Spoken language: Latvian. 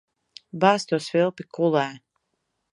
Bāz to svilpi kulē.